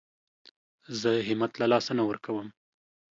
زه همت له لاسه نه ورکوم.